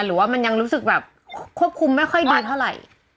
หรือว่ามันยังรู้สึกแบบควบคุมไม่ค่อยดีเท่าไหร่